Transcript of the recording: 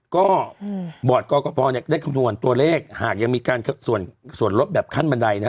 ก็บอร์ดกรกภเนี่ยได้คำนวณตัวเลขหากยังมีการส่วนลดแบบขั้นบันไดนะ